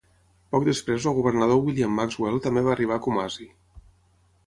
Poc després el Governador William Maxwell també va arribar a Kumasi.